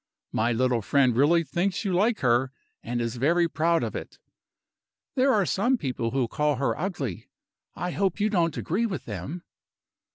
My little friend really thinks you like her, and is very proud of it. There are some people who call her ugly. I hope you don't agree with them?"